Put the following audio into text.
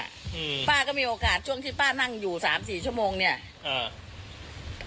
อืมป้าก็มีโอกาสช่วงที่ป้านั่งอยู่สามสี่ชั่วโมงเนี้ยอ่า